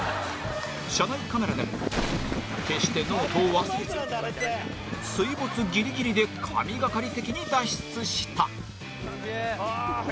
車内カメラでも決してノートを忘れず水没ギリギリで神懸かり的に脱出した。